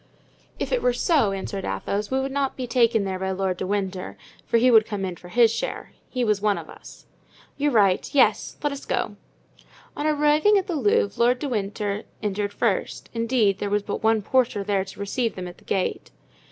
"If it were so," answered Athos, "we should not be taken there by Lord de Winter, for he would come in for his share; he was one of us." "You're right; yes, let us go." On arriving at the Louvre Lord de Winter entered first; indeed, there was but one porter there to receive them at the gate.